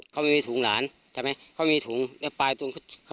กัดชื้มใจเข้าปาก